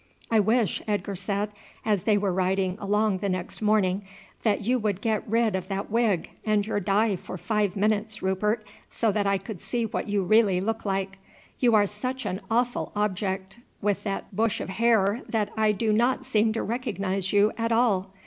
"I wish," Edgar said as they were riding along the next morning, "that you could get rid of that wig and your dye for five minutes, Rupert, so that I could see what you really look like. You are such an awful object with that bush of hair that I do not seem to recognize you at all.